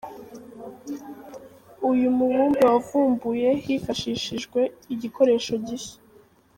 Uyu mubumbe wavumbuye hifashishijwe igikoresho gishya.